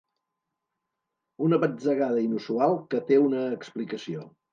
Una batzegada inusual, que té una explicació.